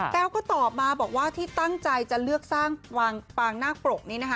แก้วก็ตอบมาบอกว่าที่ตั้งใจจะเลือกสร้างปางนาคปรกนี้นะคะ